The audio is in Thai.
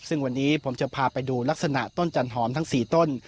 ซึ่งวันนี้ผมจะพาไปดูลักษณะต้นจันหอมทั้ง๔ต้น